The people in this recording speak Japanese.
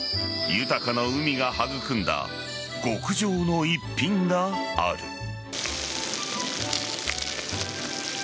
豊かな海が育んだ極上の逸品がある。